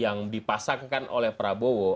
yang dipasangkan oleh prabowo